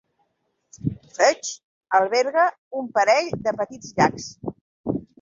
Feucht alberga un parell de petits llacs.